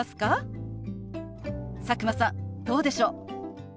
佐久間さんどうでしょう？